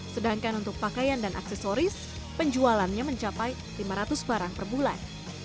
sedangkan untuk pakaian dan aksesoris penjualannya mencapai lima ratus barang per bulan